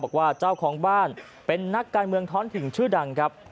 บอกว่าเจ้าของบ้านเป็นนักการเมืองท้อนถึงชื่อดังครับ